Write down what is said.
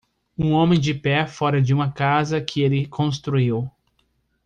um homem de pé fora de uma casa que ele construiu